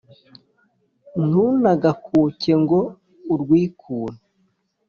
Ntunagakuke ngo urwikure,